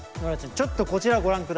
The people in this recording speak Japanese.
ちょっとこちらをご覧下さい。